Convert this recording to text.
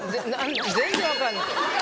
全然分かんない。